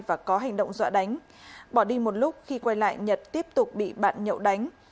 và có hành động dọa đánh bỏ đi một lúc khi quay lại nhật tiếp tục bị bạn nhậu đánh